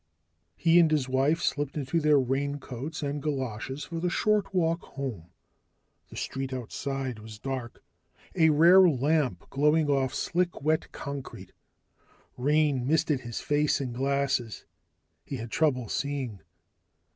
He and his wife slipped into their raincoats and galoshes for the short walk home. The street outside was dark, a rare lamp glowing off slick wet concrete. Rain misted his face and glasses, he had trouble seeing.